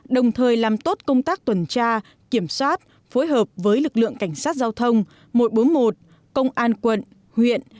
đồng thời làm tốt công tác tuần tra kiểm soát phối hợp với lực lượng cảnh sát giao thông một trăm bốn mươi một công an quận huyện